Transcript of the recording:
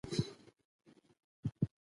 زور حل نه راولي.